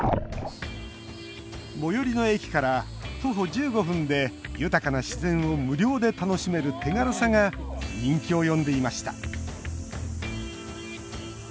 最寄りの駅から徒歩１５分で豊かな自然を無料で楽しめる手軽さが人気を呼んでいました。